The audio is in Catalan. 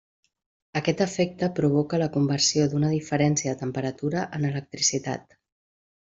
Aquest efecte provoca la conversió d'una diferència de temperatura en electricitat.